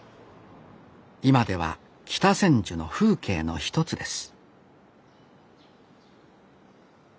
今では北千住の風景の一つです